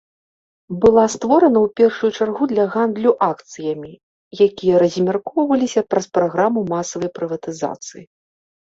Была створана ў першую чаргу для гандлю акцыямі, якія размяркоўваліся праз праграму масавай прыватызацыі.